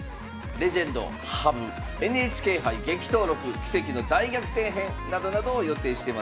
「レジェンド羽生ＮＨＫ杯激闘録奇跡の大逆転編」などなどを予定してます。